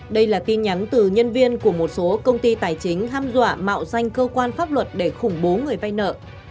đây là tin nhắn từ nhân viên của một số công ty tài chính ham dọa mạo danh cơ quan pháp luật để khủng bố người vay nợ